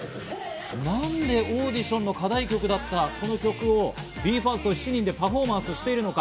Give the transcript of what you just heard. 何でオーディションの課題曲だったこの曲をＢＥ：ＦＩＲＳＴ７人でパフォーマンスしているのか？